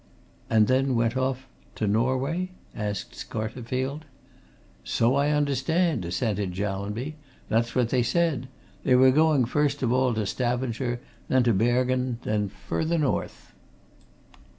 "And then went off to Norway?" asked Scarterfield. "So I understand," assented Jallanby. "That's what they said. They were going, first of all, to Stavanger then to Bergen then further north."